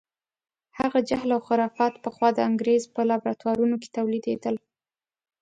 هغه جهل او خرافات پخوا د انګریز په لابراتوارونو کې تولیدېدل.